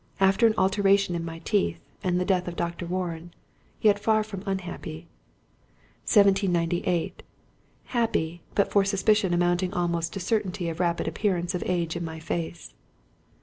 After an alteration in my teeth, and the death of Dr. Warren—yet far from unhappy. 1798. Happy, but for suspicion amounting almost to certainty of a rapid appearance of age in my face....